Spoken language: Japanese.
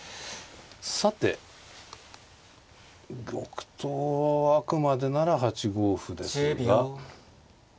さて玉頭あくまでなら８五歩ですが。